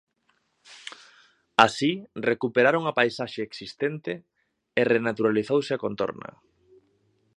Así, recuperaron a paisaxe existente e renaturalizouse a contorna.